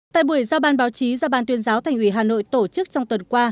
tại buổi giao ban báo chí do ban tuyên giáo thành ủy hà nội tổ chức trong tuần qua